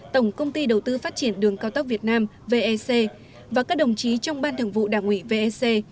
tổng công ty đầu tư phát triển đường cao tốc việt nam vec và các đồng chí trong ban thường vụ đảng ủy vec